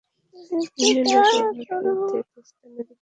ইউনিয়নের পূর্ব দিক দিয়ে তিস্তা নদী প্রবাহিত হয়েছে।